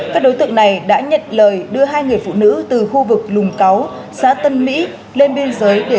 các đối tượng này đã nhận lời đưa hai người phụ nữ từ khu vực lùng cáou xã tân mỹ lên biên giới để